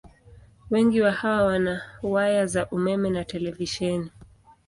Wengi wa hawa wana waya za umeme na televisheni.